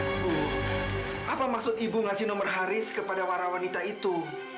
ibu apa maksud ibu ngasih nomor haris kepada para wanita itu